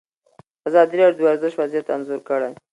ازادي راډیو د ورزش وضعیت انځور کړی.